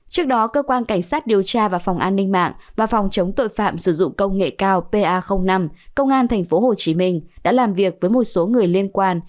trước đó cơ quan cảnh sát điều tra và phòng an ninh mạng và phòng chống tội phạm sử dụng công nghệ cao pa năm công an tp hcm đã làm việc với một số người liên quan